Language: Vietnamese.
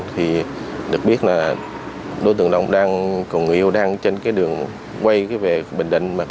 thì được biết là đối tượng đông đang cùng người yêu đang trên cái đường quay về bình định